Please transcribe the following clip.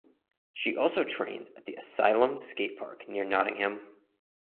She also trains at the Asylum skate park near Nottingham.